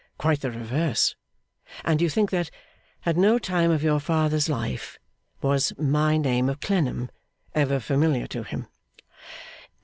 Quite the reverse. And you think that at no time of your father's life was my name of Clennam ever familiar to him?